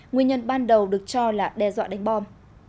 nguyên nhân ban đầu được cho là đe dọa đánh bom